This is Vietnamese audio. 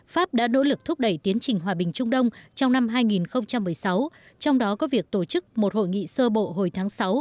pháp đã nỗ lực thúc đẩy tiến trình hòa bình trung đông trong năm hai nghìn một mươi sáu trong đó có việc tổ chức một hội nghị sơ bộ hồi tháng sáu